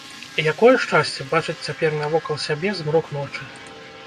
Якое шчасце бачыць цяпер навокал сябе змрок ночы!